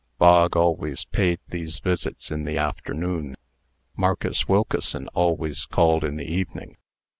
Bog always paid these visits in the afternoon. Marcus Wilkeson always called in the evening.